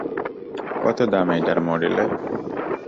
কত দাম এটার মডলের?